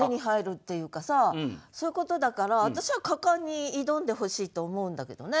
そういうことだから私は果敢に挑んでほしいと思うんだけどね。